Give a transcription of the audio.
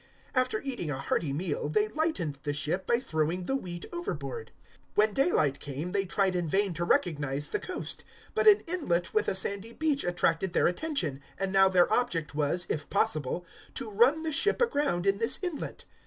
027:038 After eating a hearty meal they lightened the ship by throwing the wheat overboard. 027:039 When daylight came, they tried in vain to recognise the coast. But an inlet with a sandy beach attracted their attention, and now their object was, if possible, to run the ship aground in this inlet.